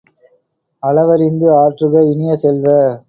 அளவறிந்து ஆற்றுக இனிய செல்வ!